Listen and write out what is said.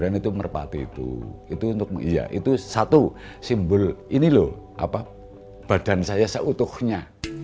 air dan itu merpati itu itu untuk ia itu satu simbol ini loh apa badan saya seutuhnya